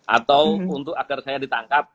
atau untuk agar saya ditangkap